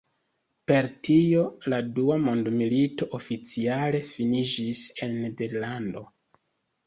Per tio la dua mondmilito oficiale finiĝis en Nederlando.